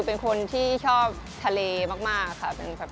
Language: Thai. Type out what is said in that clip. เป็นคนที่ชอบทะเลมากค่ะ